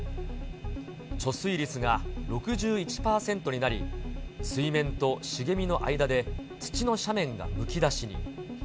貯水率が６１％になり、水面と茂みの間で土の斜面がむき出しに。